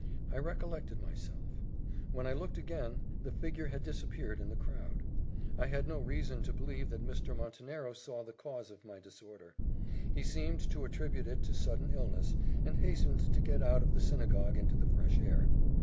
I recollected myself when I looked again, the figure had disappeared in the crowd. I had no reason to believe that Mr. Montenero saw the cause of my disorder. He seemed to attribute it to sudden illness, and hastened to get out of the synagogue into the fresh air.